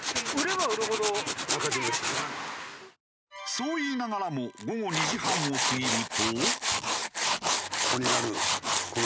そう言いながらも午後２時半を過ぎると。